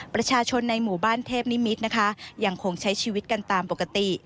ประชาชนในหมู่บ้านเทพนิมิตรนะคะยังคงใช้ชีวิตกันตามปกติ